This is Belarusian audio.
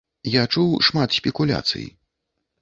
Я чуў шмат спекуляцый.